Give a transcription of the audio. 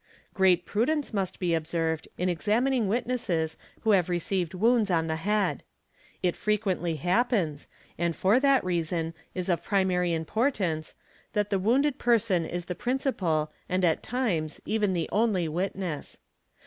Great prudence must be observed in examining witnesses who have received wounds on the head. It frequently happens, and for that reason is of primary importance, that the wounded person is the principal and at times even the only witness®.